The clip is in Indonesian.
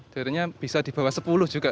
darinya bisa di bawah sepuluh juga